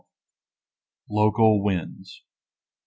LOCAL WINDS.